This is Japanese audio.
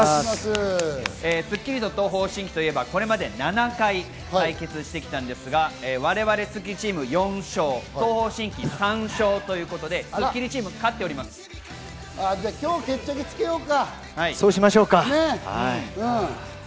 『スッキリ』と東方神起といえば、これまで７回対決してきたんですが、我々、スッキリチーム４勝、東方神起３勝ということでスッキ今日、決着つけようか。